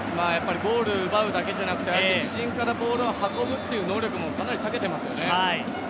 ボールを奪うだけじゃなくて自陣からボールを運ぶっていう能力もかなり、たけていますよね。